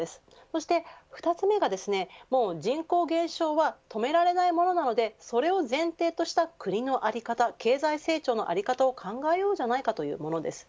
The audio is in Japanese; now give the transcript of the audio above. そして２つ目が人口減少は止められないものなので、それを前提とした国の在り方、経済成長の在り方を考えようじゃないかというものです。